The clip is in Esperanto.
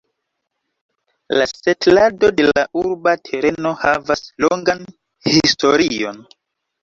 La setlado de la urba tereno havas longan historion.